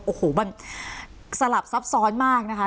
โอ้โหมันสลับซับซ้อนมากนะคะ